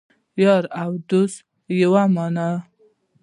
یار او دوست یوه معنی